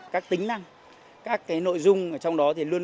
các tính năng các cái nội dung trong đó thì luôn luôn